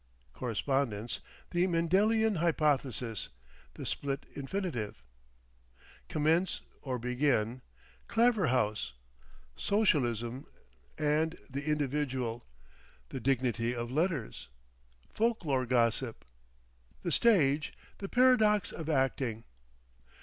Correspondence:—The Mendelian Hypothesis; The Split Infinitive; "Commence," or "Begin;" Claverhouse; Socialism and the Individual; The Dignity of Letters. Folk lore Gossip. The Stage; the Paradox of Acting.